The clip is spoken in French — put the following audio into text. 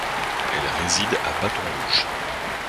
Elle réside à Bâton-Rouge.